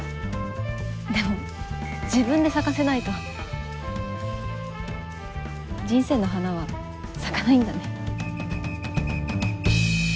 でも自分で咲かせないと人生の花は咲かないんだね。